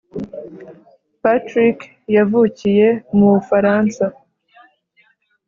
Patrick wavukiye mu Bufaransa